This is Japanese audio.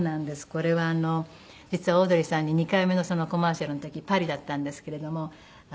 これはあの実はオードリーさんに２回目のコマーシャルの時パリだったんですけれども